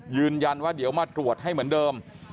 ยืนยันว่าเดี๋ยวมาตรวจให้เหมือนเดิม